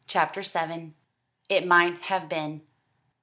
CHAPTER VII. "It might have been."